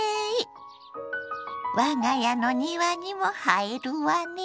我が家の庭にも映えるわね。